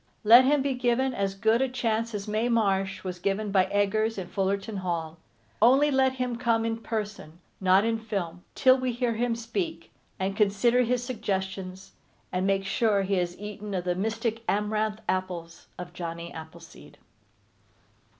Let him be given as good a chance as Mae Marsh was given by Eggers in Fullerton Hall. Only let him come in person, not in film, till we hear him speak, and consider his suggestions, and make sure he has eaten of the mystic Amaranth Apples of Johnny Appleseed.